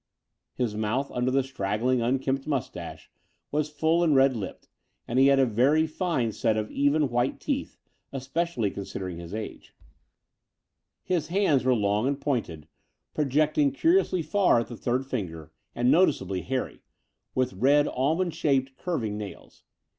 His mouth under his straggling^ unkempt moustache was full and red lipped, and he had a very fine set of even, white teeth, especially considering his age. His hands were long and pointed, projecting curiously 46 The Door of the Unreal far at the third finger, and noticeably hairy, with red abnond shaped, curving nails.